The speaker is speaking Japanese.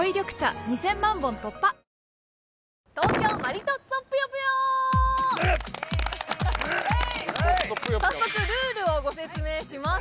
ニトリ早速ルールをご説明します